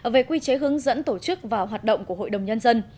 về quy chế hướng dẫn tổ chức và hoạt động của hội đồng nhân dân